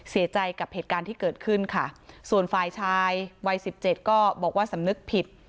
เสียใจกับเหตุการณ์ที่เกิดขึ้นค่ะส่วนฝ่ายชายวัยสิบเจ็ดก็บอกว่าสำนึกผิด